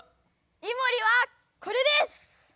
イモリはこれです！